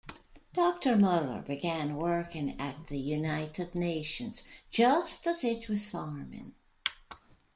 Doctor Muller began working at the United Nations just as it was forming.